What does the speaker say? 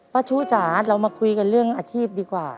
ชู้จ๋าเรามาคุยกันเรื่องอาชีพดีกว่า